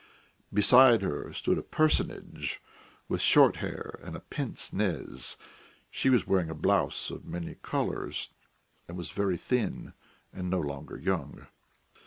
Beside her stood a personage with short hair and a pince nez; she was wearing a blouse of many colours, and was very thin and no longer young.